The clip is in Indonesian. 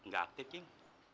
gak aktif king